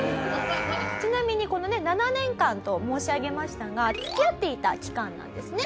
ちなみにこのね７年間と申し上げましたが付き合っていた期間なんですね。